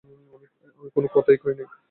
আমি কোনো কথাই কই নাই।